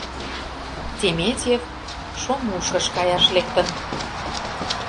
Дементьев Шомушкыш каяш лектын.